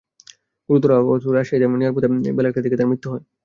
গুরুতর আহত অবস্থায় রাজশাহীতে নেওয়ার পথে বেলা একটার দিকে তাঁর মৃত্যু হয়।